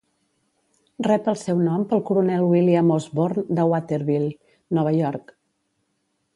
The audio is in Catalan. Rep el seu nom pel coronel William Osborn de Waterville, Nova York.